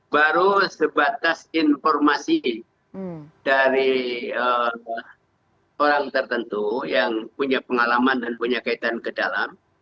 baru sebatas informasi dari orang tertentu yang punya pengalaman dan punya kaitan ke dalam